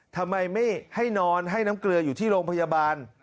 ทำไมไม่ให้นอนให้น้ำเกลืออยู่ที่โรงพยาบาล